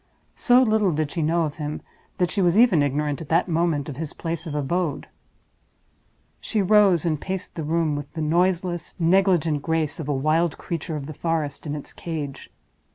So little did she know of him that she was even ignorant at that moment of his place of abode. She rose and paced the room with the noiseless, negligent grace of a wild creature of the forest in its cage.